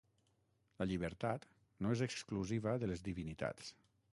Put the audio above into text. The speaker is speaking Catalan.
La llibertat no és exclusiva de les divinitats.